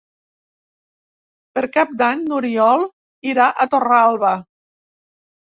Per Cap d'Any n'Oriol irà a Torralba.